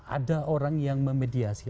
ada orang yang memediasi